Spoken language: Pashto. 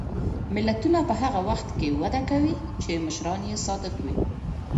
ملتونه په هغه وخت کې وده کوي چې مشران یې صادق وي.